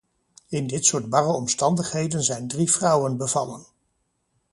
In dit soort barre omstandigheden zijn drie vrouwen bevallen.